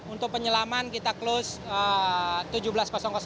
untuk penyelaman kita close tujuh belas